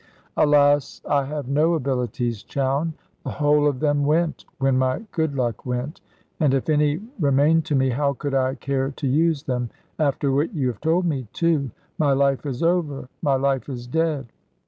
"Alas! I have no abilities, Chowne. The whole of them went, when my good luck went. And if any remained to me, how could I care to use them? After what you have told me too. My life is over, my life is dead."